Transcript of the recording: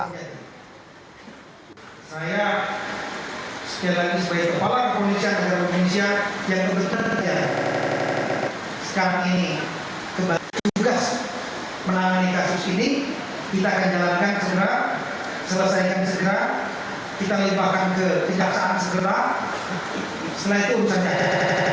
kita melibatkan ke tindaksaan segera setelah itu urusan jaya